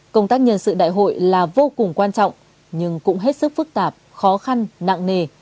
công tác nhân sự đại hội là vô cùng quan trọng nhưng cũng hết sức phức tạp khó khăn nặng nề